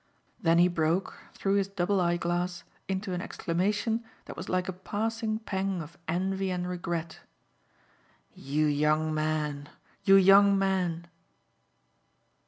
Then he broke, through his double eye glass, into an exclamation that was like a passing pang of envy and regret. "You young men, you young men